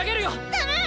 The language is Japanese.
「ダメ！